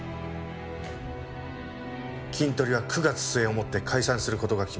キントリは９月末をもって解散する事が決まった。